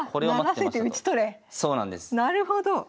なるほど。